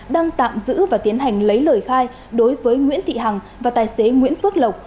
đang tạm giữ và tiến hành lấy lời khai đối với nguyễn thị hằng và tài xế nguyễn phước lộc